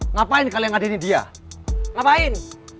ngapain kalian hadirin dia ngapain